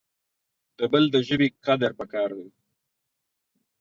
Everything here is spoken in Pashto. د بل دژبي قدر پکار د